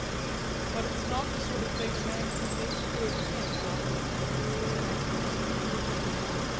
"But it's not the sort of thing a man can make good in, Al," said Andrews slowly.